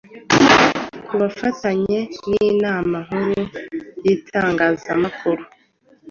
ku bufatanye n’Inama Nkuru y’Itangazamukuru.